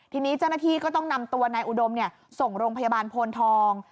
ทีนี้เจ้าหน้าที่ก็ต้องนำตัวนายอุดมส่งโรงพยาบาลโพนทอง